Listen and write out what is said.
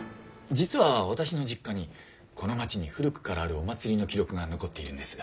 実は私の実家にこの町に古くからあるお祭りの記録が残っているんです。